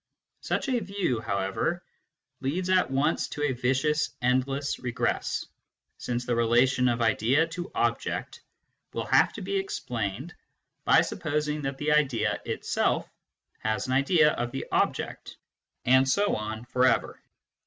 Such a view, however, leads at once to a vicious endless regress, since the relation of idea to object will have to be explained by supposing that the idea itself has an idea of the object, and so on ad infinitum.